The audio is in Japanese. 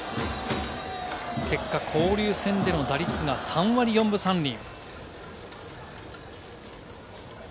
結果、交流戦での打率が３割４分３厘。